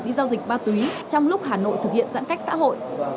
đi giao dịch ma túy trong lúc hà nội thực hiện giãn cách xã hội